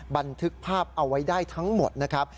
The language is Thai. บันทึกภาพเอาไว้ได้ทั้งหมดนะครับ